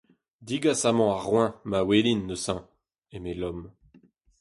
Degas amañ ar roeñv, ma welin, neuze ! eme Lom.